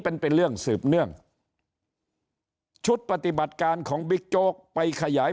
เป็นเป็นเรื่องสืบเนื่องชุดปฏิบัติการของบิ๊กโจ๊กไปขยาย